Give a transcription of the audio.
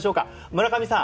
村上さん。